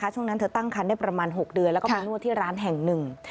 ช่วงนั้นเธอตั้งคันได้ประมาณ๖เดือนแล้วก็ไปนวดที่ร้านแห่งหนึ่ง